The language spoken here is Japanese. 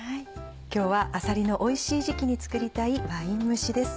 今日はあさりのおいしい時期に作りたいワイン蒸しです。